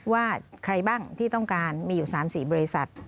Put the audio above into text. ว่าใครบ้างที่ต้องการมีอยู่๓๔บริษัท